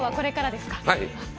はい。